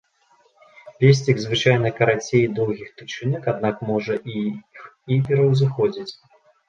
Песцік звычайна карацей доўгіх тычынак, аднак можа іх і пераўзыходзіць.